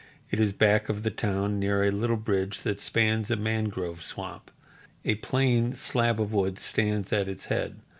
It is back of the town near a little bridge that spans a mangrove swamp. A plain slab of wood stands at its head.